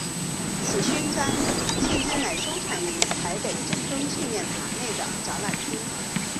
此勋章现今仍收藏于台北中正纪念堂内的展览厅。